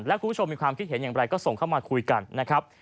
และคุณผู้ชมมีความคิดเห็นอย่างไรก็ส่งเข้ามาคุยกันนะครับ